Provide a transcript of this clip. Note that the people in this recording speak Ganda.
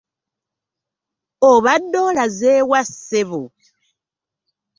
Obadde olaze wa ssebo?